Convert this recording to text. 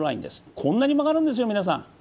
こんなに曲がるんですよ、皆さん。